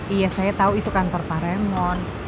iya saya tau itu kantor pak remon